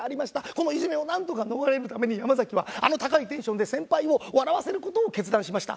このいじめをなんとか逃れるために山崎はあの高いテンションで先輩を笑わせる事を決断しました。